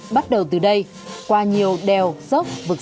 bắt đầu từ đây qua nhiều đèo dốc vực